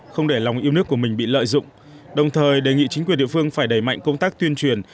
không để lòng yêu nước của mình bị lợi dụng đồng thời đề nghị chính quyền địa phương phải đẩy mạnh công tác tuyên truyền